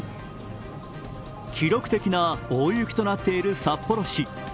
記録的な大雪となっている札幌市。